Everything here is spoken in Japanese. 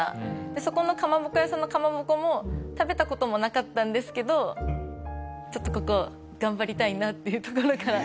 でそこのかまぼこ屋さんのかまぼこも食べた事もなかったんですけどちょっとここ頑張りたいなっていうところから。